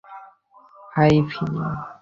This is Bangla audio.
হাই, ফিনি।